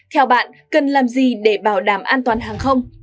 theo bạn cần làm gì để bảo đảm an toàn hàng không